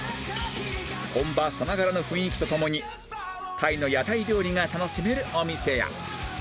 本場さながらの雰囲気とともにタイの屋台料理が楽しめるお店や